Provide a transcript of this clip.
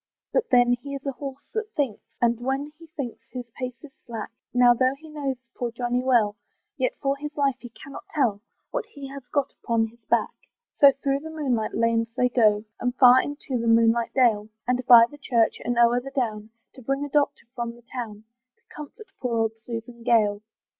But then he is a horse that thinks! And when he thinks his pace is slack; Now, though he knows poor Johnny well, Yet for his life he cannot tell What he has got upon his back. So through the moonlight lanes they go, And far into the moonlight dale, And by the church, and o'er the down, To bring a doctor from the town, To comfort poor old Susan Gale.